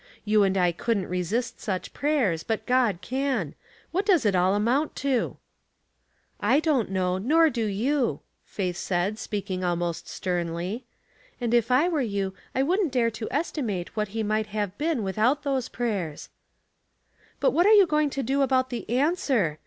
You and I couldn't resist such prayers, but Qod can. What does it all amount to ?" "I don't know, nor do you," Faith said, speaking almost sternly. " And if I were you I wouldn't dare to estimate what he might have been without those prayers." " But what are you going to do about the answer?